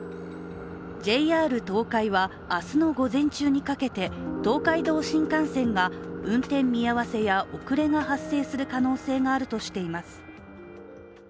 ＪＲ東海は、明日の午前中にかけて東海道新幹線が運転見合わせや遅れが発生する可能性があるとしています。